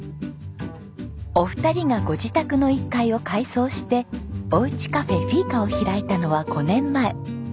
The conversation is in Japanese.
お二人がご自宅の１階を改装しておうちカフェフィーカを開いたのは５年前。